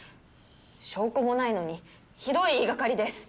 証拠もないのにひどい言いがかりです